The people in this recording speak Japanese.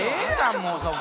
もうそこ。